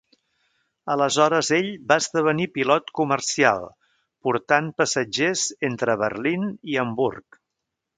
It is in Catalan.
Aleshores ell va esdevenir pilot comercial portant passatgers entre Berlín i Hamburg.